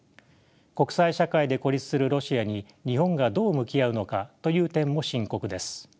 国際社会で孤立するロシアに日本がどう向き合うのかという点も深刻です。